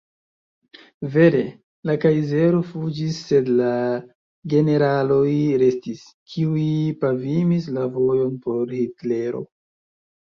Vere, la kajzero fuĝis sed la generaloj restis, kiuj pavimis la vojon por Hitlero.